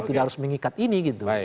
tidak harus mengikat ini gitu